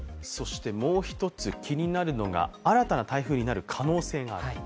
もう１つ、気になるのが新たな台風になる可能性がある？